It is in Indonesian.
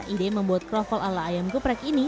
ide membuat kroffel ala ayam geprek ini